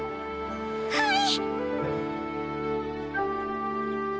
はい！